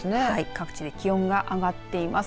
各地で気温が上がっています。